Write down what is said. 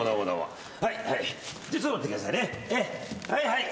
はい。